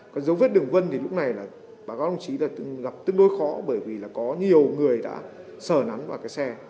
còn dấu viết đường vân thì lúc này là bà gói đồng chí là gặp tương đối khó bởi vì là có nhiều người đã sở nắn vào cái xe